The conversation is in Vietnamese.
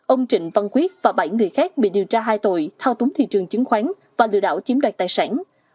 ông trịnh văn quyết và bảy người khác bị điều tra hai tội thao túng thị trường chứng khoán và lừa đảo chiếm đoạt tài sản